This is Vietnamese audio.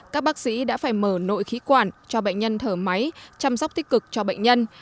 các bác sĩ đã phải mở nội khí quản cho bệnh nhân thở máy chăm sóc tích cực cho bệnh nhân